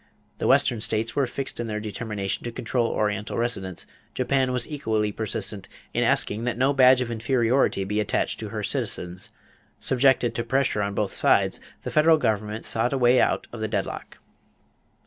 The Western states were fixed in their determination to control Oriental residents; Japan was equally persistent in asking that no badge of inferiority be attached to her citizens. Subjected to pressure on both sides, the federal government sought a way out of the deadlock.